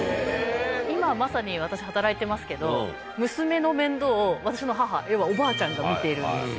今まさに私働いてますけど娘の面倒を私の母要はおばあちゃんが見ているんですよ。